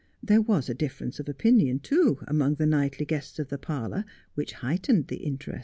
There was a difference of opinion, too, among the nightly guests of the parlour, which heightened the interest.